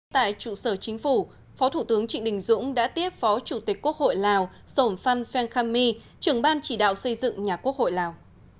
tại trụ sở chính phủ phó thủ tướng trịnh đình dũng đã tiếp phó chủ tịch quốc hội lào sổn phan phen kham my trưởng ban chỉ đạo xây dựng nhà quốc hội lào